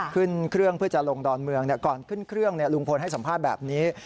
ขึ้นเครื่องเพื่อจะลงดอนเมืองก่อนขึ้นเครื่องลุงพลให้สัมภาษณ์แบบนี้